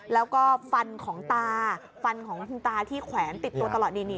แล้วก็ฟันของตาฟันของคุณตาที่แขวนติดตัวตลอดนี่